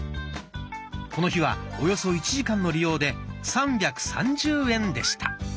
この日はおよそ１時間の利用で３３０円でした。